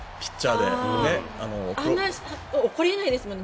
起こり得ないですもんね。